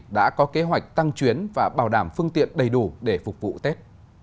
đã có kế hoạch tăng chuyến và bảo đảm phương tiện đầy đủ để phục vụ tết